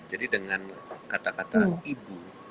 jadi dengan kata kata ibu